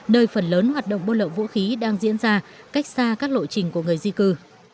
nơi phần lớn hoạt động bô lộng vũ khí đang diễn ra cách xa các lộ trình của người di cư